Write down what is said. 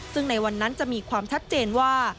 ซึ่งในวันนั้นจะมีความชัดเจนว่า